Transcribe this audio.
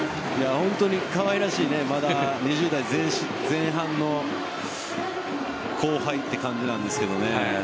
本当にかわいらしい２０代前半の後輩という感じなんですよね。